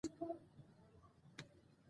پورې راپورې مې له زړه که جينۍ